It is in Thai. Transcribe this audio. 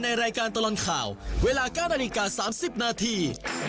รายการตลอดข่าวเวลา๙นาฬิกา๓๐นาที